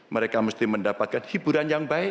mereka musti mendapatkan hiburan yang baik